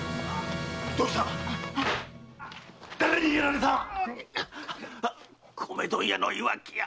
どうした誰にやられた⁉米問屋の岩城屋！